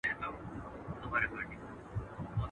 افغاني کلتور د میلمه پالنې له امله ډېر مشهور دی.